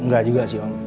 gak sih om